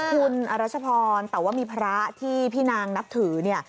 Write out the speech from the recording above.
คุณอรัชพรแต่ว่ามีพระที่พี่นางนับถือเนี่ย